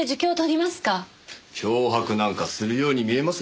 脅迫なんかするように見えます？